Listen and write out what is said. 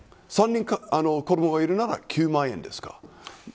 ３人子どもがいるなら９万円ですか。